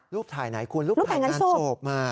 รูปถ่ายไหนคุณรูปถ่ายงานโสบมา